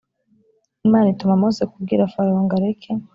imana ituma mose kubwira farawo ngo areke